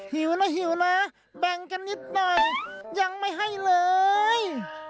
หิวนะหิวนะแบ่งกันนิดหน่อยยังไม่ให้เลย